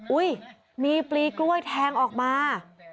อุ๊ยมีปลีกล้วยแทงออกมา